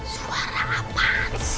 suara apaan sih